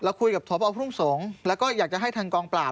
คุยกับพบทุ่งสงฆ์แล้วก็อยากจะให้ทางกองปราบ